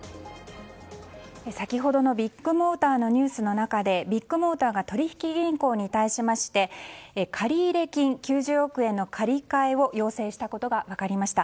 先ほどのビッグモーターのニュースの中でビッグモーターが取引銀行に対しまして借入金９０億円の借り換えを要請したことが分かりました。